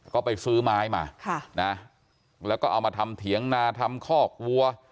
ก็ไปซื้อไม้มาแล้วก็เอามาทำเถียงนาทำคอกวัว